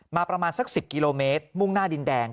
ประมาณสัก๑๐กิโลเมตรมุ่งหน้าดินแดง